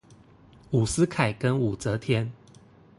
伍思凱跟武則天